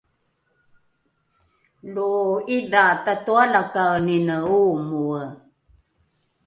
lo’idha tatoalakaenine oomoe